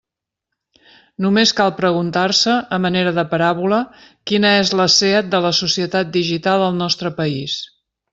Només cal preguntar-se, a manera de paràbola, quina és la SEAT de la societat digital al nostre país.